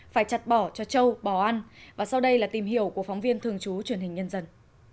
phải chặt bỏ cho trâu bò ăn và sau đây là tìm hiểu của phóng viên thường trú truyền hình nhân dân